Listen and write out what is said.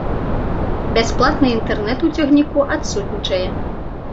Бясплатны інтэрнэт у цягніку адсутнічае.